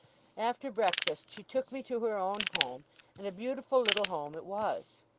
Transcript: After breakfast she took me to her own home, and a beautiful little home it was.